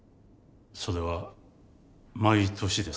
それは毎年ですか？